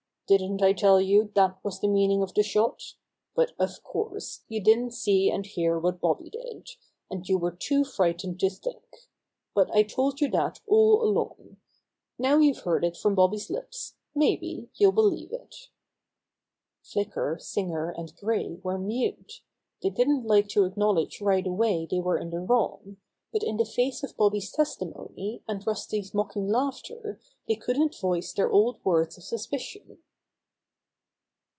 Didn't I tell you that was the meaning of the shot? But, of course, you didn't see and hear what Bobby did, and you were too frightened to think. But I told you that all along. Now you've heard it from Bobby's lips, maybe you'll believe it." Flicker, Singer and Gray were mute. They didn't like to acknowledge right away they were in the wrong, but in the face of Bobby's testimony and Rusty's mocking laughter diey couldn't voice their old words of suspicion.